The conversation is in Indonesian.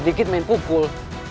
dikit dikit main pukul